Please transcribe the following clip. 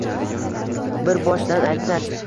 Bir boshdan aytsak